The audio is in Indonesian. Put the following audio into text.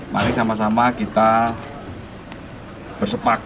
mari sama sama kita bersepakat